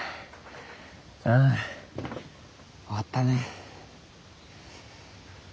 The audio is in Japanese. うん終わったね。